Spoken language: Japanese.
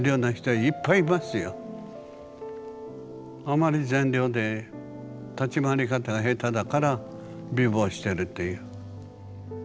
あまり善良で立ち回り方が下手だから貧乏してるという。